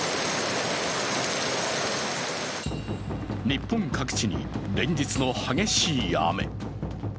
日本各地に連日の激しい雨。